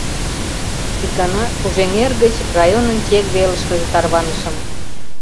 Икана Кужэҥер гыч районын чек велышкыже тарванышым.